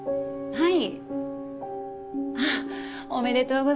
はい。